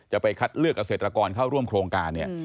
จะไปคัดเลือกเศรษฐกรเข้าร่วมโครงการ